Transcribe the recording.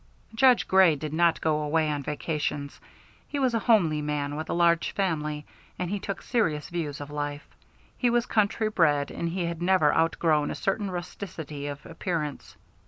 Judge Grey did not go away on vacations. He was a homely man, with a large family, and he took serious views of life. He was country bred, and he had never outgrown a certain rusticity of appearance.